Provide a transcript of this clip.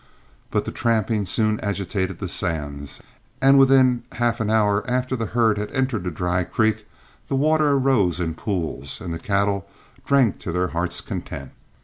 But the tramping soon agitated the sands, and within half an hour after the herd had entered the dry creek the water arose in pools, and the cattle drank to their hearts' content.